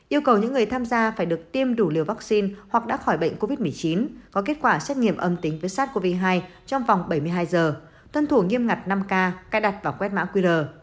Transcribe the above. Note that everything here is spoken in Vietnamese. yêu cầu những người tham gia phải được tiêm đủ liều vaccine hoặc đã khỏi bệnh covid một mươi chín có kết quả xét nghiệm âm tính với sars cov hai trong vòng bảy mươi hai giờ tuân thủ nghiêm ngặt năm k cài đặt vào quét mã qr